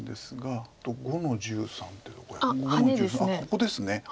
ここですね。